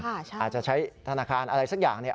อาจจะใช้ธนาคารอะไรสักอย่างเนี่ย